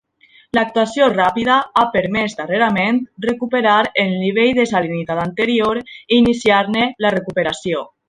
L'actuació ràpida ha permès darrerament recuperar el nivell de salinitat anterior i iniciar-ne la recuperació.